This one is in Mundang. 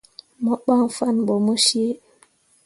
Mo ɓan fanne ɓo mo cii.